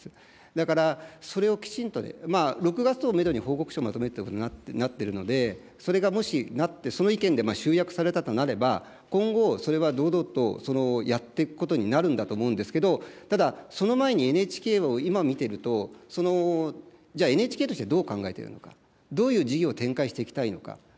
だから、それをきちんと、６月をメドに報告書をまとめるということになっているので、それがもしなって、その意見で集約されたとなれば、今後、それは堂々とやっていくことになるんだと思うんですけど、ただ、その前にＮＨＫを今見ていると、じゃあ、ＮＨＫとしてどう考えているのか、どういう事業を展開していきたいのか。